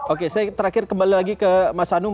oke saya terakhir kembali lagi ke mas anung